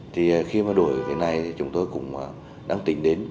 thì khi mà đổi cái này chúng tôi cũng đang tính đến